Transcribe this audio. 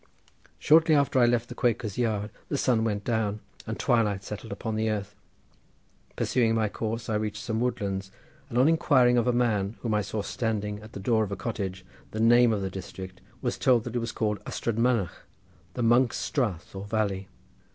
Shortly after I left the Quakers' Yard the sun went down and twilight settled upon the earth. Pursuing my course I reached some woodlands, and on inquiring of a man, whom I saw standing at the door of a cottage, the name of the district, was told that it was called Ystrad Manach—the Monks' Strath or valley.